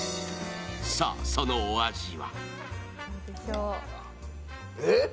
さぁ、そのお味は？